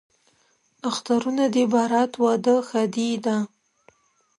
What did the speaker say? اخترونه دي برات، واده، ښادي ده